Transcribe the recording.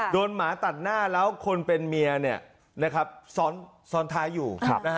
หมาตัดหน้าแล้วคนเป็นเมียซ้อนท้ายอยู่